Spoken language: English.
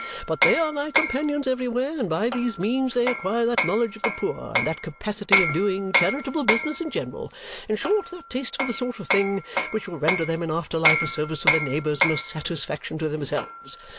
But they are my companions everywhere; and by these means they acquire that knowledge of the poor, and that capacity of doing charitable business in general in short, that taste for the sort of thing which will render them in after life a service to their neighbours and a satisfaction to themselves.